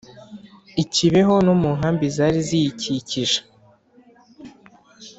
i Kibeho no mu nkambi zari ziyikikije.